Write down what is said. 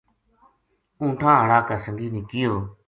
اونٹھاں ہاڑا کا سنگی نے کہیو